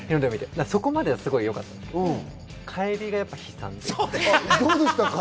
そこまではよかったんですけど帰りが悲惨です。